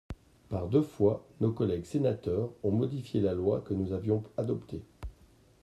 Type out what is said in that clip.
Par deux fois, nos collègues sénateurs ont modifié la loi que nous avions adoptée.